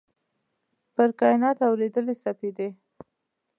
پر کایناتو اوريدلي سپیدې